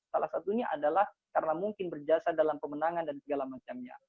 salah satunya adalah karena mungkin berjasa dalam pemenangan dan segala macamnya